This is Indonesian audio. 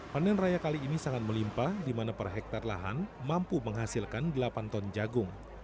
panen raya kali ini sangat melimpa di mana per hektare lahan mampu menghasilkan delapan ton jagung